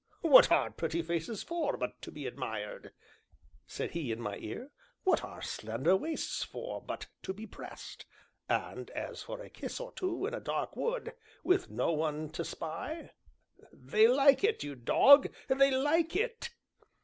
"What are pretty faces for but to be admired?" said he in my ear; "what are slender waists for but to be pressed; and as for a kiss or two in a dark wood, with no one to spy they like it, you dog, they like it!"